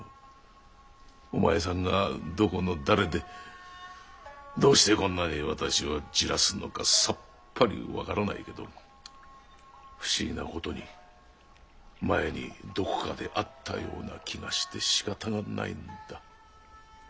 お前さんがどこの誰でどうしてこんなに私をじらすのかさっぱり分からないけど不思議な事に前にどこかで会ったような気がしてしかたがないんだ。